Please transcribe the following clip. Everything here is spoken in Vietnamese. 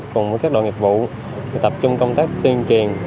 cùng với các đội nghiệp vụ tập trung công tác tuyên truyền